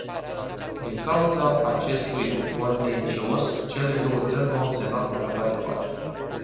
Din cauza acestui contencios, cele două țări nu au semnat un tratat de pace.